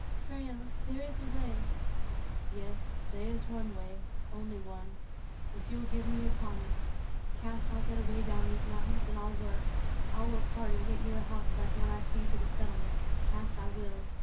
"Frale, there is a way —" "Yes, they is one way — only one. Ef you'll give me your promise, Cass, I'll get away down these mountains, an' I'll work ; I'll work hard an' get you a house like one I seed to the settlement, Cass, I will.